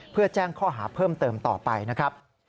เพื่อแจ้งข้อหาเพิ่มเติมต่อไปนะครับ